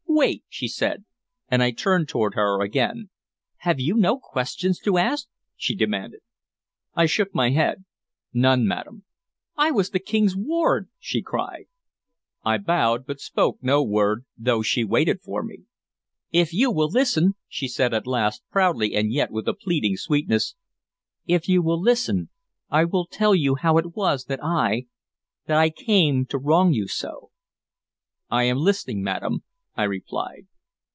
"Wait!" she said, and I turned toward her again. "Have you no questions to ask?" she demanded. I shook my head. "None, madam." "I was the King's ward!" she cried. I bowed, but spoke no word, though she waited for me. "If you will listen," she said at last, proudly, and yet with a pleading sweetness, "if you will listen, I will tell you how it was that I that I came to wrong you so." "I am listening, madam," I replied.